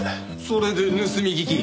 それで盗み聞き？